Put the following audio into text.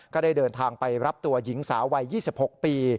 ก็ได้เดินทางไปรับตัวหญิงสาววัย๒๖ปี